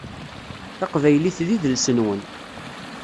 Taqbaylit d idles-nwen.